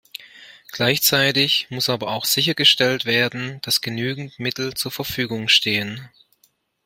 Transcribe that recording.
Gleichzeitig muss aber auch sichergestellt werden, dass genügend Mittel zur Verfügung stehen.